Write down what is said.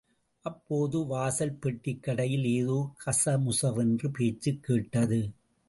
அப்போது, வாசல் பெட்டிக்கடையில் ஏதோ கசமுசவென்று பேச்சுக் கேட்டது.